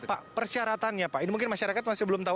pak persyaratannya pak ini mungkin masyarakat masih belum tahu